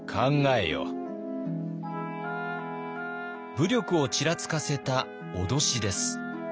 武力をちらつかせた脅しです。